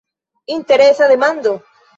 Interesa demando!